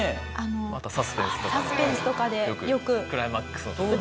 あとはサスペンスとかでよくクライマックスの。